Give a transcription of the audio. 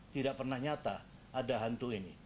tidak pernah nyata ada hantu ini